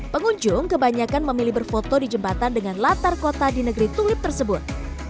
pengunjung kebanyakan memilih berfoto di jembatan dengan latar kota di negeri tulip tersebut